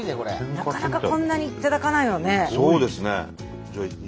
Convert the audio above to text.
なかなかこんなに頂かないよね。